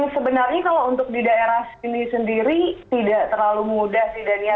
sebenarnya kalau untuk di daerah sini sendiri tidak terlalu mudah sih dania